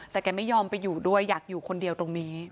แต่แกไม่ยอมไปอยู่ด้วยอยากอยู่คนเดียวตรงนี้